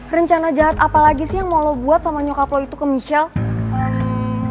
rencana jahat apa lagi sih yang mau lo buat sama nyokap lo itu ke michelle